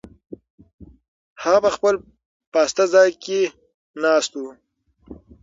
هغه په خپل پاسته ځای کې ناست و.